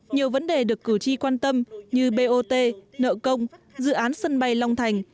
nhiều vấn đề được cử tri quan tâm như bot nợ công dự án sân bay long thành